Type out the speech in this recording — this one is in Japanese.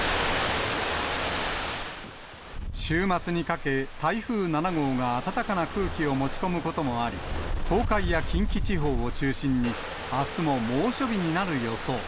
週末にかけ、台風７号が暖かな空気を持ち込むこともあり、東海や近畿地方を中心に、あすも猛暑日になる予想。